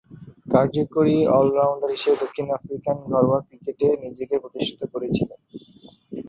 কার্যকরী অল-রাউন্ডার হিসেবে দক্ষিণ আফ্রিকান ঘরোয়া ক্রিকেটে নিজেকে প্রতিষ্ঠিত করেছিলেন।